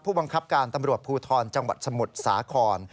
ผู้บังคับการตำรวจภูทรจังหวัดสมุทรสาคร